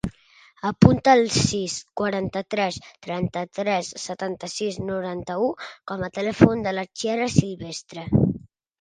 Apunta el sis, quaranta-tres, trenta-tres, setanta-sis, noranta-u com a telèfon de la Chiara Silvestre.